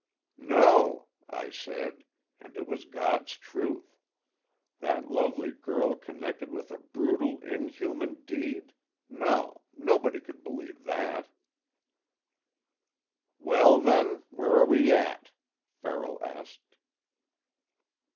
"No," I said, and it was God's truth. That lovely girl connected with a brutal, inhuman deed,—no, nobody could believe that! "Well, then, where are we at?" Farrell asked.